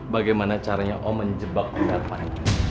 bagaimana caranya om menjebak darman